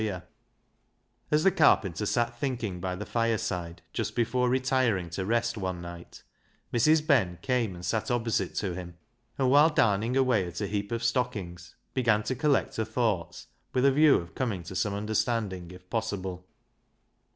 LEAH'S LOVER 83 As the carpenter sat thinking by the fireside, just before retiring to rest one night, Mrs, Ben came and sat opposite to him, and, whilst darn ing away at a heap of stockings, began to collect her thoughts, with a view of coming to some understanding, if possible.